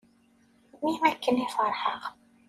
Mi akken i ferḥeɣ.